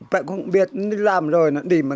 vậy cũng không biết làm rồi nó đi một ngày